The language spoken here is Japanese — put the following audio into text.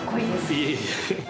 いえいえ。